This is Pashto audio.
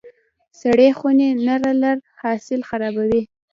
سړې خونې نه لرل حاصل خرابوي.